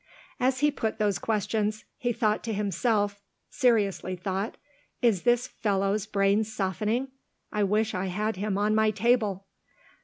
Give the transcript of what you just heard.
As he put those questions, he thought to himself seriously thought "Is this fellow's brain softening? I wish I had him on my table!"